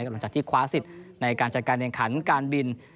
หลังจากที่คว้าสิทธิ์ในการจัดการแข่งขันการบิน